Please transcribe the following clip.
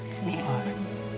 はい。